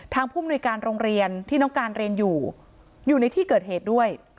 ผู้มนุยการโรงเรียนที่น้องการเรียนอยู่อยู่ในที่เกิดเหตุด้วย